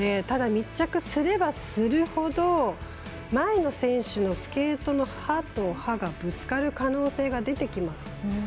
ただ、密着すればするほど前の選手のスケートの刃と刃がぶつかる可能性が出てきます。